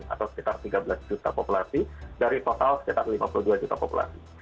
atau sekitar tiga belas juta populasi dari total sekitar lima puluh dua juta populasi